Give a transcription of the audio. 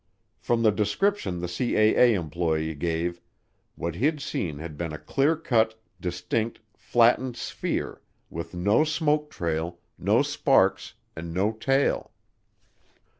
From the description the CAA employee gave, what he'd seen had been a clear cut, distinct, flattened sphere, with no smoke trail, no sparks and no tail.